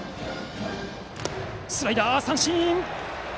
スライダー、三振！